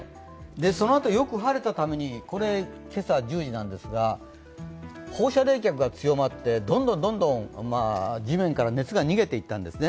その後、よく晴れたために、今朝１０時、放射冷却が強まって、どんどん地面から熱が逃げていったんですね。